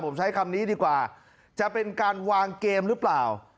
ผมใช้คำนี้ดีกว่าจะเป็นการวางเกมหรือเปล่า